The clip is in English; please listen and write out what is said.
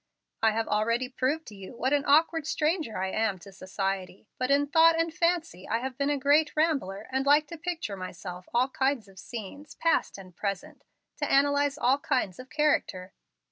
I have already proved to you what an awkward stranger I am to society. But in thought and fancy I have been a great rambler, and like to picture to myself all kinds of scenes, past and present, and to analyze all kinds of character."